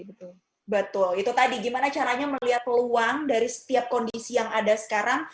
betul betul itu tadi gimana caranya melihat peluang dari setiap kondisi yang ada sekarang